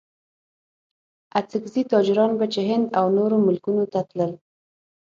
اڅګزي تاجران به چې هند او نورو ملکونو ته تلل.